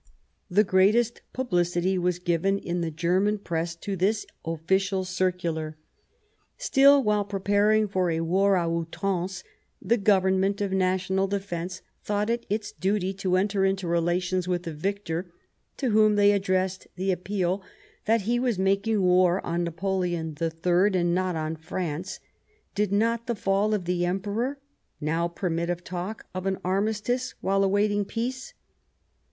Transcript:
The greatest publicity was given in the German Press to this official circular. Still, while preparing for a war a outrance, the Government of National Defence thought it its duty to enter into relations with the victor, to whom they addressed the appeal that he was making war on Napoleon III, and not on France ; did not the fall of the Emperor now permit of talk of an armistice while awaiting peace